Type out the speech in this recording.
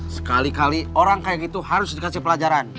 sekali kali orang kayak gitu harus dikasih pelajaran